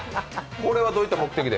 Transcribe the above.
これはどういった目的で？